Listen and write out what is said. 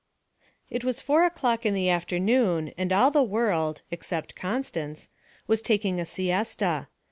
It was four o'clock in the afternoon and all the world except Constance was taking a siesta.